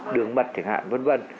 đường mật chẳng hạn vân vân